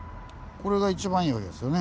これが一番いいわけですよね。